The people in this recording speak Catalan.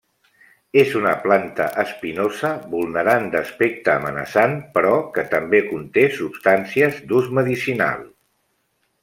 És una planta espinosa vulnerant d'aspecte amenaçant però que també conté substàncies d'ús medicinal.